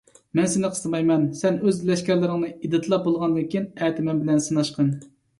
مەن سېنى قىستىمايمەن. سەن ئۆز لەشكەرلىرىڭنى ئېدىتلاپ بولغاندىن كېيىن، ئەتە كېلىپ مەن بىلەن سىناشقىن.